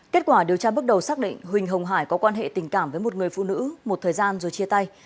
kết quả điều tra bước đầu xác định huỳnh hồng hải có quan hệ tình cảm với một người phụ nữ một thời gian rồi chia tay